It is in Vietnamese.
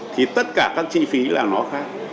thì tất cả các chi phí là nó khác